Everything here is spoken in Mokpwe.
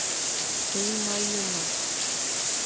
Tɔ̀ímá yǒmà.